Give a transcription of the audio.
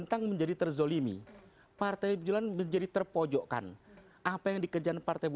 yang dilakukan sebelum penetapan capres